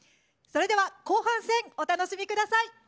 それでは後半戦お楽しみ下さい。